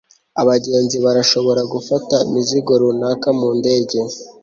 abagenzi barashobora gufata imizigo runaka mu ndege